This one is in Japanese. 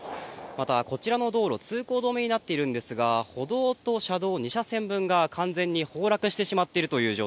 また、こちらの道路通行止めになっているんですが歩道と車道、２車線分が完全に崩落してしまっています。